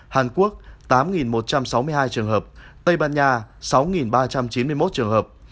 hàn quốc tám một trăm sáu mươi hai trường hợp tây ban nha sáu ba trăm chín mươi một trường hợp